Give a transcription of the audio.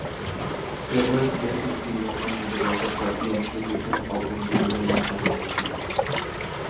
Savoy Place is the London headquarters of the Institution of Engineering and Technology.